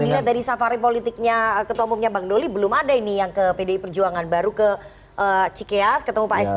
kalau dilihat dari safari politiknya ketua umumnya bang doli belum ada ini yang ke pdi perjuangan baru ke cikeas ketemu pak sby